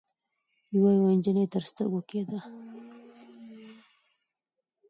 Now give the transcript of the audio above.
يوه يوه نجلۍ تر سترګو کېده.